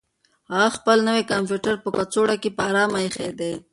هغه خپل نوی کمپیوټر په کڅوړه کې په ارامه اېښی دی.